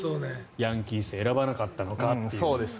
ヤンキースを選ばなかったのかという。